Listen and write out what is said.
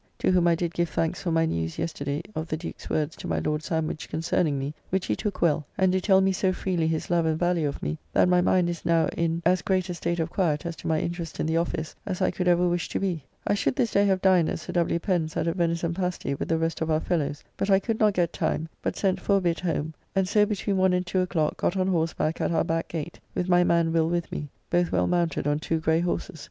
To whom I did give thanks for my newes yesterday of the Duke's words to my Lord Sandwich concerning me, which he took well; and do tell me so freely his love and value of me, that my mind is now in as great a state of quiett as to my interest in the office, as I could ever wish to be. I should this day have dined at Sir W. Pen's at a venison pasty with the rest of our fellows, but I could not get time, but sent for a bit home, and so between one and two o'clock got on horseback at our back gate, with my man Will with me, both well mounted on two grey horses.